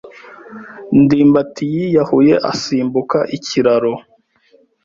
ndimbati yiyahuye asimbuka ikiraro.